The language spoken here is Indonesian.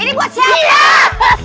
ini buat siapa